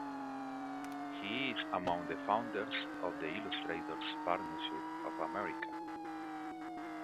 He is among the founders of The Illustrators' Partnership of America.